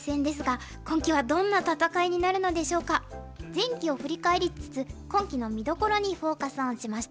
前期を振り返りつつ今期の見どころにフォーカス・オンしました。